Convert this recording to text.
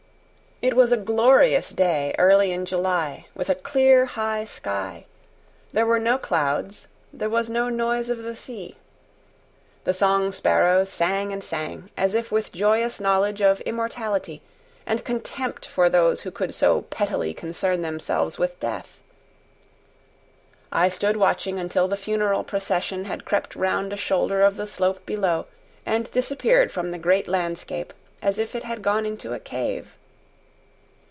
It was a glorious day early in July, with a clear, high sky; there were no clouds, there was no noise of the sea. The song sparrows sang and sang, as if with joyous knowledge of immortality, and contempt for those who could so pettily concern themselves with death. I stood watching until the funeral procession had crept round a shoulder of the slope below and disappeared from the great landscape as if it had gone into a cave.